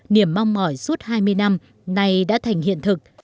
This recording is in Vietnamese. trong mọi suốt hai mươi năm này đã thành hiện thực